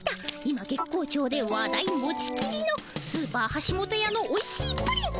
今月光町で話題持ちきりのスーパーはしもとやのおいしいプリン。